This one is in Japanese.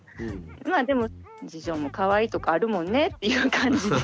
まあでも次女もかわいいとこあるもんねっていう感じで。